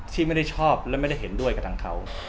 ที่ไม่ได้ชอบและไม่ได้เห็นด้วยกับทางเขา